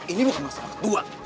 ini bukan masalah ketua